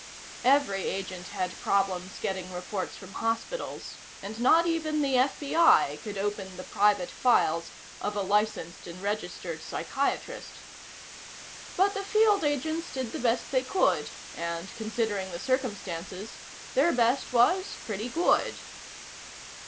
Every agent had problems getting reports from hospitals and not even the FBI could open the private files of a licensed and registered psychiatrist. But the field agents did the best they could and, considering the circumstances, their best was pretty good.